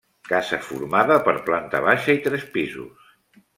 Casa formada per planta baixa i tres pisos.